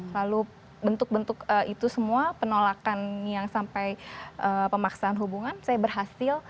lalu bentuk bentuk itu semua penolakan yang sampai pemaksaan hubungan saya berhasil